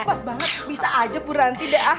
pas banget bisa aja bu ranti deh ah